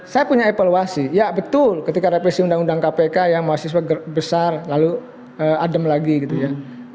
saya punya evaluasi ya betul ketika revisi undang undang kpk yang mahasiswa besar lalu adem lagi gitu ya